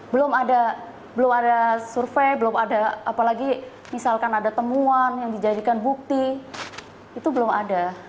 belum ada belum ada survei belum ada apalagi misalkan ada temuan yang dijadikan bukti itu belum ada